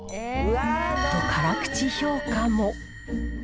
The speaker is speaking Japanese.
と、辛口評価も。